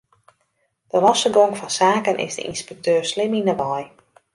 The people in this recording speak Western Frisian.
De losse gong fan saken is de ynspekteur slim yn 'e wei.